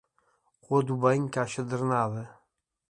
Rua do banho, caixa drenada.